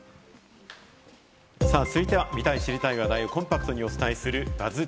続いては見たい知りたい話題をコンパクトにお伝えするＢＵＺＺ